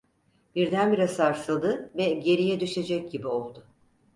Birdenbire sarsıldı ve geriye düşecek gibi oldu.